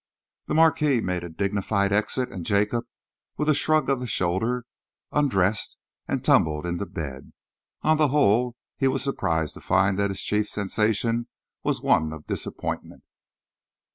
The Marquis made a dignified exit, and Jacob, with a shrug of the shoulders, undressed and tumbled into bed. On the whole, he was surprised to find that his chief sensation was one of disappointment.